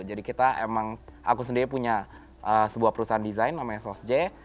jadi kita emang aku sendiri punya sebuah perusahaan desain namanya sosj